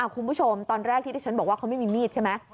คุณผู้ชมตอนแรกที่ที่ฉันบอกว่าเขาไม่มีมีดใช่ไหม